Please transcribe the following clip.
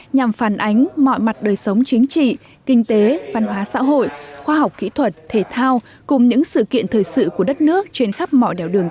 nhằm phản ánh mọi mặt đời sống chính trị kinh tế văn hóa xã hội khoa học kỹ thuật thể thao cùng những sự kiện thời sự của đất nước trên khắp mọi đảo đường